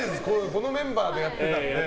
このメンバーでやってるから。